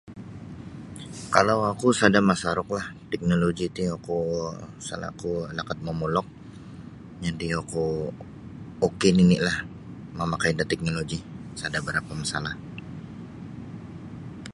Kalau oku sada masaruk lah teknologi ti oku pasal oku lakat momulok jadi oku ok nini lah mamakai da teknologi sada barapa masalah.